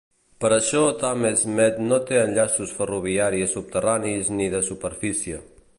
Per això Thamesmead no té enllaços ferroviaris subterranis ni de superfície.